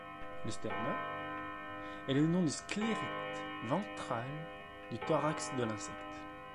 Le sternum est le nom du sclérite ventral du thorax de l'insecte.